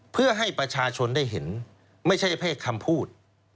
เพื่อให้ประชาชนได้เห็นไม่ใช่เพศคำพูด